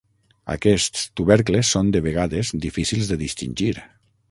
Aquests tubercles són de vegades difícils de distingir.